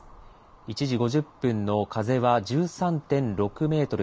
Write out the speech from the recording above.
１時５０分の風は１３．６メートル